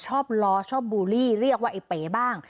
ชอบล้อชอบบูลลี่เรียกว่าไอ้เป๋บ้าง